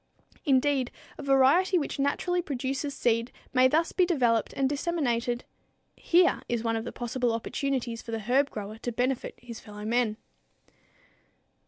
Indeed, a variety which naturally produces seed may thus be developed and disseminated. Here is one of the possible opportunities for the herb grower to benefit his fellow men.